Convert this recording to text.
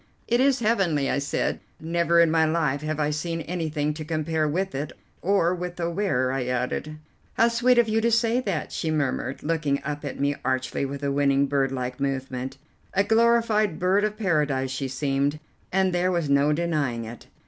"It is heavenly," I said; "never in my life have I seen anything to compare with it, or with the wearer," I added. "How sweet of you to say that!" she murmured, looking up at me archly, with a winning, bird like movement. A glorified bird of paradise she seemed, and there was no denying it.